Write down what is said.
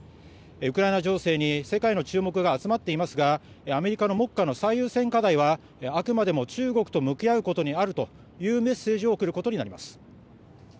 ウクライナ情勢に世界の注目が集まっていますがアメリカの目下の最優先課題はあくまでも中国と向き合うことにあるというメッセージを送ることになります。